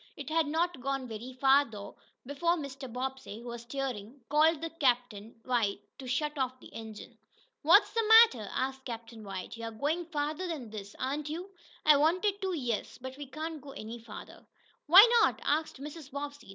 It had not gone very far, though, before Mr. Bobbsey, who was steering, called to Captain White to shut off the engine. "What's the matter?" asked Captain White. "You're going farther than this; aren't you?" "I wanted to, yes. But we can't go any farther." "Why not?" asked Mrs. Bobbsey.